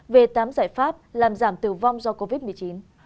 về tám giải pháp làm giảm tử vong do covid một mươi chín